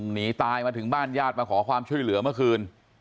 หนีตายมาถึงบ้านญาติมาขอความช่วยเหลือเมื่อคืน